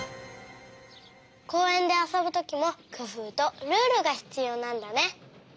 こうえんであそぶときもくふうとルールがひつようなんだね！